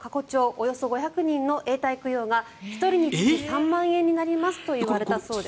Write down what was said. およそ５００人の永代供養が１人につき３万円になりますと言われたそうです。